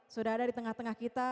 sudah ada di tengah tengah kita